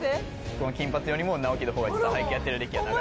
この金髪よりも直樹の方が実は俳句やってる歴は長い。